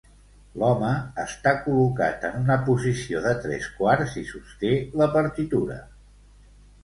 L'home està col·locat en una posició de tres quarts i sosté la partitura.